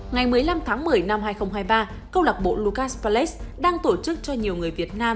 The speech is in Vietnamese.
ngày một mươi năm tháng một mươi năm hai nghìn hai mươi ba câu lạc bộ lucas fallet đang tổ chức cho nhiều người việt nam